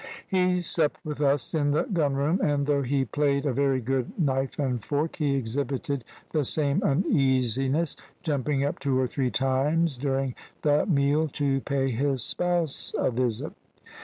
"He supped with us in the gunroom, and though he played a very good knife and fork, he exhibited the same uneasiness, jumping up two or three times during the meal, to pay his spouse a visit.